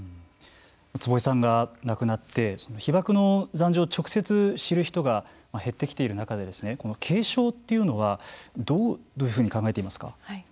坪井さんが亡くなって被爆の惨状を直接知る人が減ってきている中でこの継承というのはどういうふうに考えていますか。